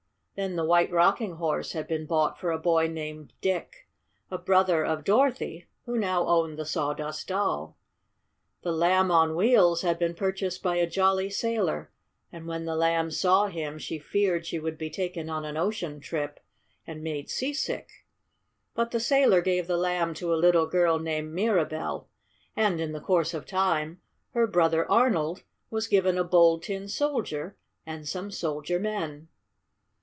Then the White Rocking Horse had been bought for a boy named Dick, a brother of Dorothy, who now owned the Sawdust Doll. The Lamb on Wheels had been purchased by a jolly sailor, and when the Lamb saw him she feared she would be taken on an ocean trip and made seasick. But the sailor gave the Lamb to a little girl named Mirabell. And, in the course of time, her brother Arnold was given a Bold Tin Soldier and some soldier men.